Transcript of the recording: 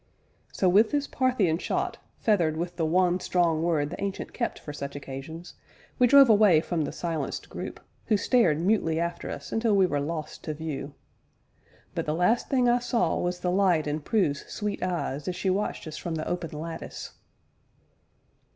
So, with this Parthian shot, feathered with the one strong word the Ancient kept for such occasions, we drove away from the silenced group, who stared mutely after us until we were lost to view. But the last thing I saw was the light in Prue's sweet eyes as she watched us from the open lattice.